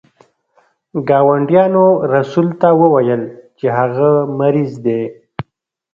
ګاونډیانو رسول ته وویل چې هغه مریض دی.